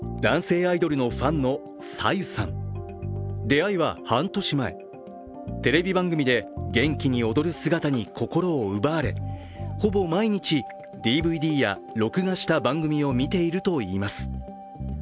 出会いは半年前テレビ番組で元気に踊る姿に心を奪われ、ほぼ毎日ＤＶＤや録画した番組を見ているといいます。